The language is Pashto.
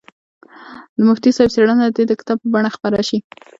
د مفتي صاحب څېړنه دې د کتاب په بڼه خپره شي.